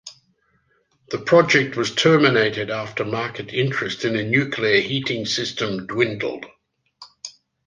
The project was terminated after market interest in a nuclear heating system dwindled.